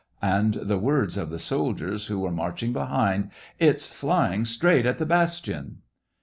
" and the words of the soldiers who were marching behind, " It's flying straight at the bastion